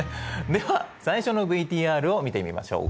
では最初のＶＴＲを見てみましょう。